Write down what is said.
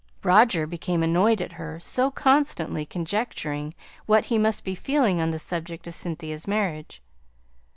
Roger became annoyed at her so constantly conjecturing what he must be feeling on the subject of Cynthia's marriage.